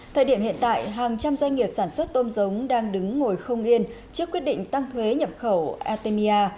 thời điểm hiện tại hàng trăm doanh nghiệp sản xuất tôm giống đang đứng ngồi không yên trước quyết định tăng thuế nhập khẩu artemia